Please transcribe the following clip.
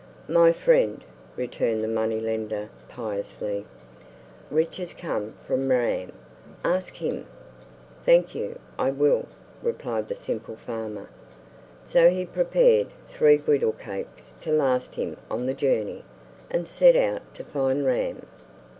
"My friend," returned the money lender, piously, "riches come from Ram—ask him." "Thank you, I will!" replied the simple farmer; so he prepared three griddle cakes to last him on the journey, and set out to find Ram.